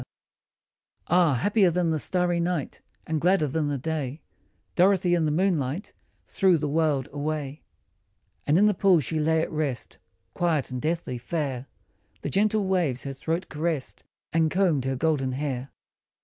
103 DOROTHY Ah, happier than the starry night, And gladder than the day, Dorothy in the moonlight Threw the world away 1 And in the pool she lay at rest, Quiet and deathly fair ; The gentle waves her throat caressed, And combed her golden hair.